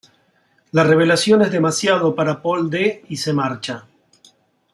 La revelación es demasiado para Paul D y se marcha.